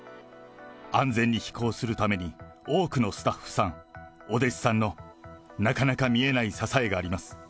安全に飛行するために、多くのスタッフさん、お弟子さんの、なかなか見えない支えがあります。